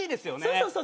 そうそう。